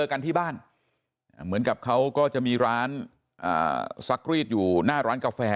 กันที่บ้านเหมือนกับเขาก็จะมีร้านซักรีดอยู่หน้าร้านกาแฟ